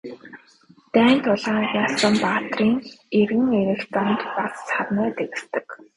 Дайн тулаанд ялсан баатрын эргэн ирэх замд бас сарнай дэвсдэг.